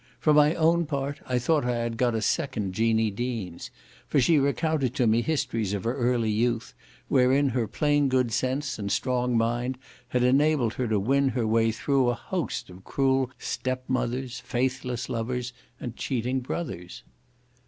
For my own part, I thought I had got a second Jeanie Deans; for she recounted to me histories of her early youth, wherein her plain good sense and strong mind had enabled her to win her way through a host of cruel step mothers, faithless lovers, and cheating brothers.